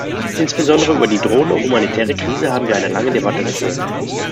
Insbesondere über die drohende humanitäre Krise haben wir eine lange Debatte geführt.